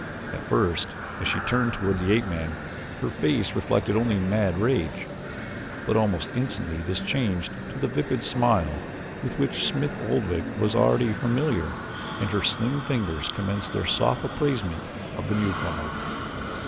At first, as she turned toward the ape man, her face reflected only mad rage, but almost instantly this changed into the vapid smile with which Smith Oldwick was already familiar and her slim fingers commenced their soft appraisement of the newcomer.